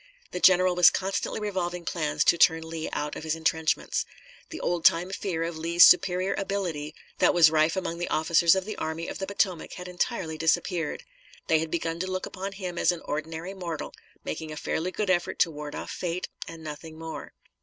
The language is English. The general was constantly revolving plans to turn Lee out of his intrenchments. The old time fear of Lee's superior ability that was rife among the officers of the Army of the Potomac had entirely disappeared. They had begun to look upon him as an ordinary mortal, making a fairly good effort to ward off fate, and nothing more.